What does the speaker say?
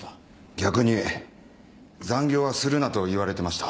逆に残業はするなと言われてました。